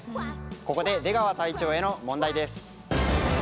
ここで出川隊長への問題です。